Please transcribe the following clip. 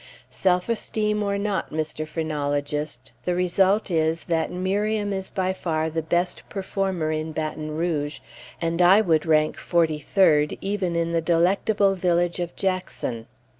Self esteem or not, Mr. Phrenologist, the result is, that Miriam is by far the best performer in Baton Rouge, and I would rank forty third even in the delectable village of Jackson.